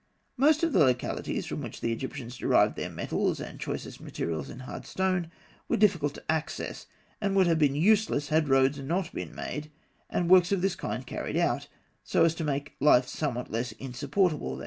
Most of the localities from which the Egyptians derived their metals and choicest materials in hard stone, were difficult of access, and would have been useless had roads not been made, and works of this kind carried out, so as to make life somewhat less insupportable there.